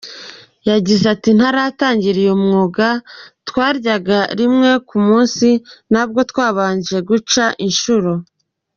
Yagize ati “Ntaratangira uyu mwuga, twaryaga rimwe ku munsi na bwo twabanje guca inshuro.